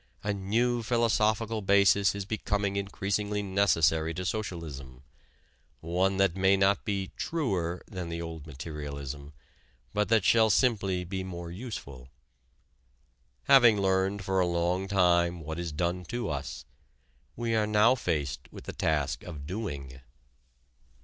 A new philosophical basis is becoming increasingly necessary to socialism one that may not be "truer" than the old materialism but that shall simply be more useful. Having learned for a long time what is done to us, we are now faced with the task of doing.